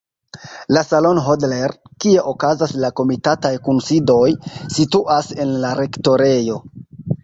La salono Hodler, kie okazas la komitataj kunsidoj, situas en la rektorejo.